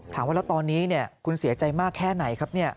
ถามว่าแล้วตอนนี้คุณเสียใจมากแค่ไหนครับ